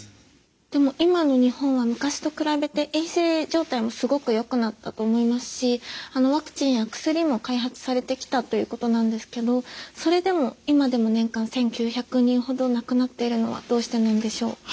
でも今の日本は昔と比べて衛生状態もすごくよくなったと思いますしワクチンや薬も開発されてきたということなんですけどそれでも今でも年間１，９００人ほど亡くなっているのはどうしてなんでしょう？